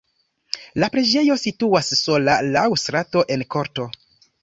La preĝejo situas sola laŭ strato en korto.